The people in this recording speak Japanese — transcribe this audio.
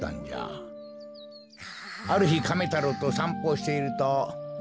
あるひカメ太郎とさんぽをしていると。